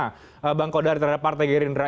bagaimana bang kodar terhadap partai gerindra